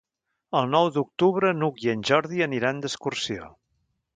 El nou d'octubre n'Hug i en Jordi aniran d'excursió.